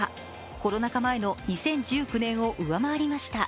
コロナ禍前の２０１９年を上回りました。